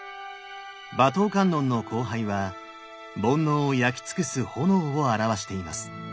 馬頭観音の光背は煩悩を焼き尽くす炎を表しています。